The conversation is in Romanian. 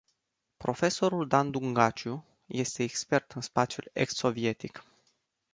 Profesorul Dan Dungaciu este expert în spațiul ex sovietic.